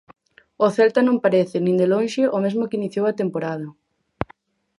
O Celta non parece, nin de lonxe, o mesmo que iniciou a temporada.